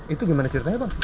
itu gimana ceritanya bang